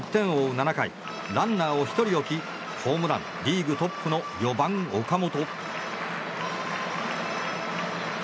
７回ランナーを１人置きホームランリーグトップの４番、岡本。